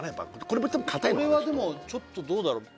これはでもちょっとどうだろう